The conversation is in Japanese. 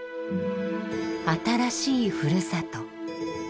新しいふるさと。